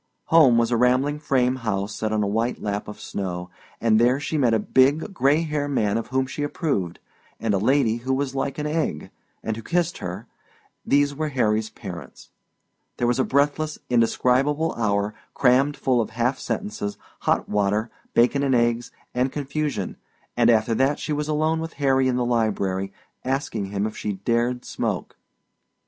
Home was a rambling frame house set on a white lap of snow, and there she met a big, gray haired man of whom she approved, and a lady who was like an egg, and who kissed her these were Harry's parents. There was a breathless indescribable hour crammed full of self sentences, hot water, bacon and eggs and confusion; and after that she was alone with Harry in the library, asking him if she dared smoke.